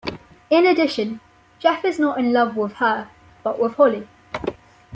In addition, Jeff is not in love with her but with Holly.